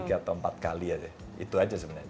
tiga atau empat kali aja itu aja sebenarnya